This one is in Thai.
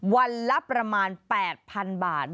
วันละประมาณ๘๐๐๐บาท